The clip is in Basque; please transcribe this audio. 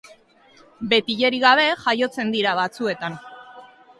Betilerik gabe jaiotzen dira batzuetan.